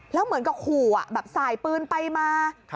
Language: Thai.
แล้วเหมือนกับหัวแบบใส่ปืนไปมา